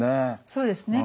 そうですね。